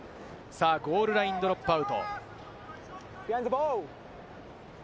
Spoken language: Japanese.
ゴールラインドロップアウト。